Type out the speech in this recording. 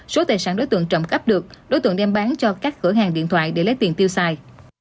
số tài sản đối tượng trộm cắp được đối tượng đem bán cho các cửa hàng điện thoại để lấy tiền tiêu xài